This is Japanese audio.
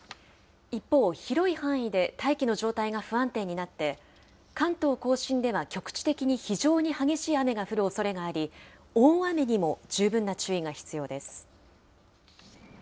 一方、広い範囲で大気の状態が不安定になって、関東甲信では局地的に非常に激しい雨が降るおそれがあり、大雨にも十分な注意が必要です。